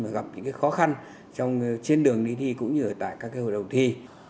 mà gặp những khó khăn trên đường đi thi cũng như ở tại các hội đồng thi